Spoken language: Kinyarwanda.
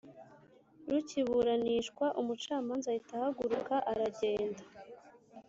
rukiburanishwa umucamanza ahita ahaguruka aragenda